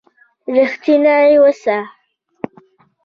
رښتينی اوسه